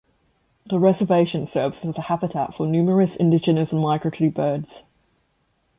The reservation serves as a habitat for numerous indigenous and migratory birds.